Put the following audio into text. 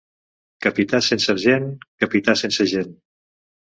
Capità sense argent, capità sense gent.